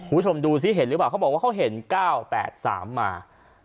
คุณผู้ชมดูซิเห็นหรือเปล่าเขาบอกว่าเขาเห็น๙๘๓มา